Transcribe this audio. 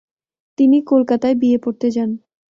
তিনি কলকাতায় B A পড়তে যান।